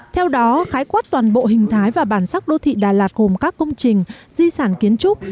theo đó khái quát toàn bộ hình thái và bản sắc đô thị đà lạt gồm các công trình di sản kiến trúc